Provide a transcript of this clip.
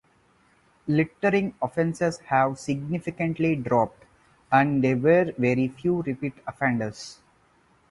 Littering offenses have significantly dropped, and there were very few repeat offenders.